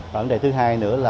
vấn đề thứ hai nữa là